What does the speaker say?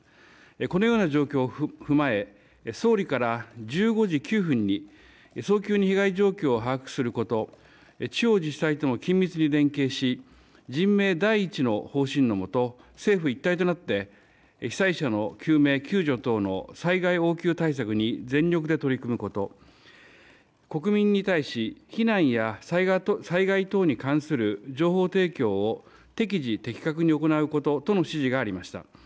このような状況を踏まえ総理から１５時９分に早急に被害状況を把握すること、地方自治体と緊密に連携し人命第一の方針のもと政府一体となって被災者の救命救助等の災害応急対策に全力で取り組むこと、国民に対し避難や災害等に関する情報提供を適時的確に行うこととの指示がありました。